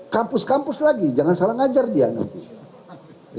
kampus kampus lagi jangan salah ngajar dia nanti